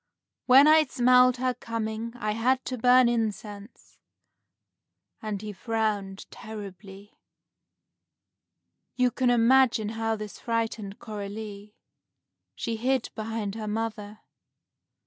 When I smelled her coming, I had to burn incense;" and he frowned terribly. You can imagine how this frightened Coralie. She hid behind her mother.